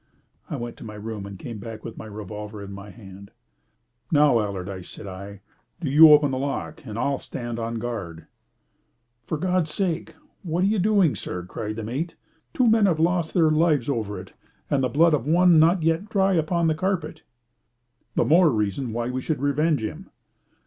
I went to my room and came back with my revolver in my hand. "Now, Allardyce," said I, "do you open the lock, and I'll stand on guard." "For God's sake, think what you are doing, sir!" cried the mate. "Two men have lost their lives over it, and the blood of one not yet dry upon the carpet." "The more reason why we should revenge him."